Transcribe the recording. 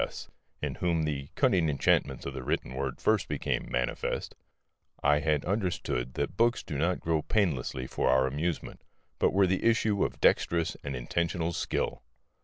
S., in whom the cunning enchantment of the written word first became manifest, I had understood that books did not grow painlessly for our amusement, but were the issue of dexterous and intentional skill.